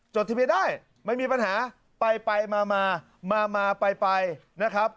จดทะเบียนได้ไม่มีปัญหาไปไปมามาไปนะครับ